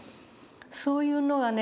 そういうのはね